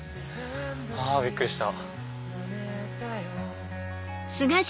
はぁびっくりした。